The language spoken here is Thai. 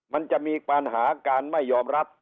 มันจะมีปัญหาการไม่ยอมรับ